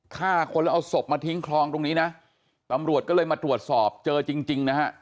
ฆ่าคนแล้วเอาศพมาทิ้งคลองตรงนี้นะตำรวจก็เลยมาตรวจสอบเจอจริงจริงนะฮะ